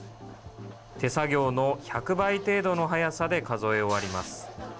手作業の１００倍程度の速さで数え終わります。